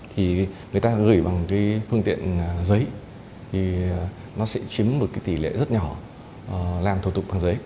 thì người ta gửi bằng cái phương tiện giấy thì nó sẽ chiếm một cái tỷ lệ rất nhỏ làm thủ tục bằng giấy